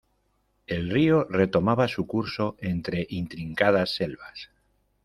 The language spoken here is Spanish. El rio retomaba su curso entre intrincadas selvas